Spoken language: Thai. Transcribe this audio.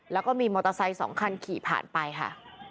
แล้วก็มีมอเตอร์ไซค์๒คันขี่ผ่านไปค่ะ